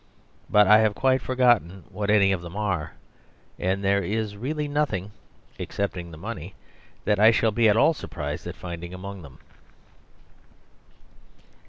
But I have quite forgotten what any of them are; and there is really nothing (excepting the money) that I shall be at all surprised at finding among them.